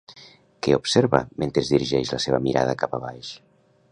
Què observa mentre dirigeix la seva mirada cap a baix?